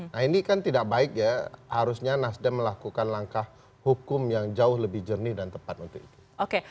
nah ini kan tidak baik ya harusnya nasdem melakukan langkah hukum yang jauh lebih jernih dan tepat untuk itu